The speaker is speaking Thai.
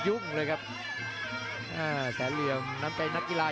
ต้องบอกว่ายังมีสามัญสำนึกละครับ